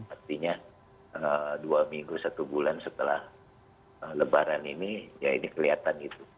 artinya dua minggu satu bulan setelah lebaran ini ya ini kelihatan itu